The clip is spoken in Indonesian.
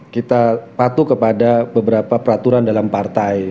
kita patuh kepada beberapa peraturan dalam partai